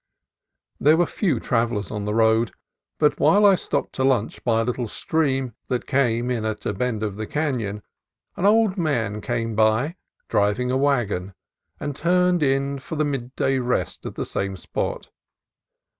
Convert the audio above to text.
There were few travellers on the road, but while I stopped to lunch by a little stream that came in at a bend of the canon, an old man came by, driving a wagon, and turned in for the midday rest at the same spot.